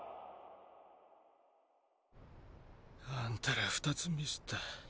あんたら２つミスった。